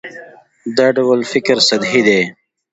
دا ډول فکر سطحي دی.